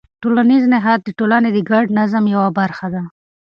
ټولنیز نهاد د ټولنې د ګډ نظم یوه برخه ده.